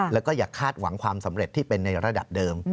แล้วก็อย่าคาดหวังความสำเร็จที่เป็นในระดับเดิม